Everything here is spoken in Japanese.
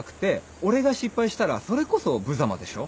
俺が失敗したらそれこそぶざまでしょ？